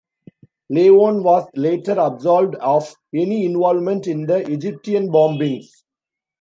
Lavon was later absolved of any involvement in the Egyptian bombings.